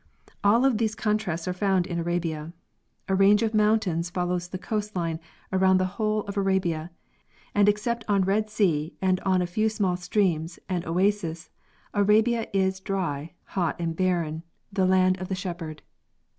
All of these con trasts are found in Arabia. A range of mountains follows the coast line around the whole of Arabia, and except on Red sea and ona few small streams and oases Arabia is dry, hot and barren, the land of the shepherd.